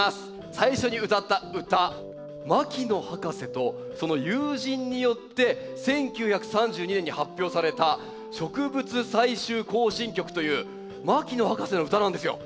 最初に歌った歌牧野博士とその友人によって１９３２年に発表された「植物採集行進曲」という牧野博士の歌なんですよ。